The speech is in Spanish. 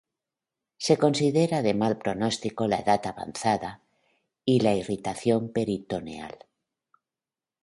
Se considera de mal pronostico la edad avanzada y la irritación peritoneal.